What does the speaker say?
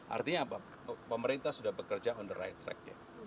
artinya apa pemerintah sudah bekerja on the right track ya